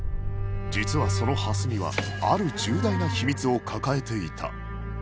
実はその蓮見はある重大な秘密を抱えていた